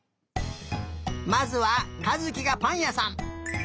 まずはかずきがぱんやさん。